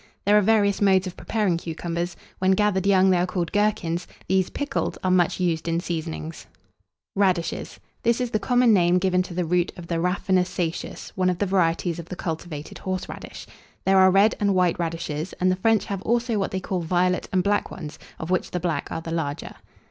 There are various modes of preparing cucumbers. When gathered young, they are called gherkins: these, pickled, are much used in seasonings. [Illustration: CUCUMBER SLICE.] RADISHES. This is the common name given to the root of the Raphanus satious, one of the varieties of the cultivated horseradish. There are red and white radishes; and the French have also what they call violet and black ones, of which the black are the larger.